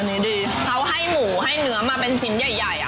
อันนี้ดีเขาให้หมูให้เนื้อมาเป็นชิ้นใหญ่ใหญ่